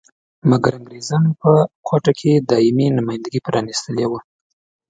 مګر انګریزانو په کوټه کې دایمي نمایندګي پرانیستلې وه.